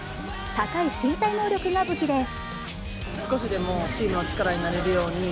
高い身体能力が武器です。